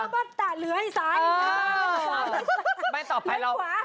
โปรดติดตามต่อไป